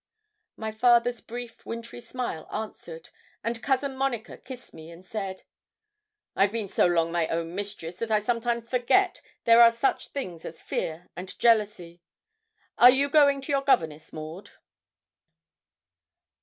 My father's brief wintry smile answered, and Cousin Monica kissed me, and said 'I've been so long my own mistress that I sometimes forget there are such things as fear and jealousy; and are you going to your governess, Maud?'